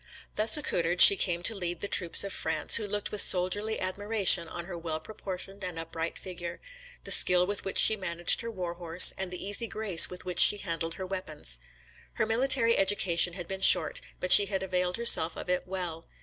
Thus accoutred, she came to lead the troops of France, who looked with soldierly admiration on her well proportioned and upright figure, the skill with which she managed her war horse, and the easy grace with which she handled her weapons. Her military education had been short, but she had availed herself of it well.